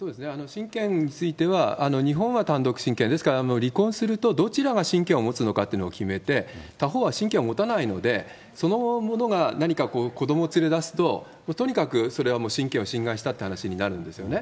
親権については、日本は単独親権、ですから、離婚するとどちらが親権を持つのかというのを決めて、他方は親権を持たないので、そのものが何かこう、子どもを連れだすと、とにかく、それは親権を侵害したという話になるんですね。